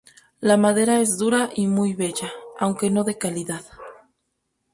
La madera es dura y muy bella, aunque no de calidad.